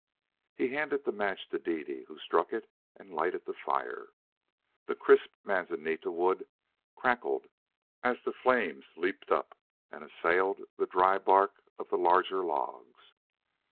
He handed the match to Dede, who struck it and lighted the fire. The crisp manzanita wood crackled as the flames leaped up and assailed the dry bark of the larger logs.